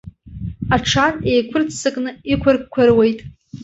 Аҽан еиқәырццакны иқәырқәыруеит.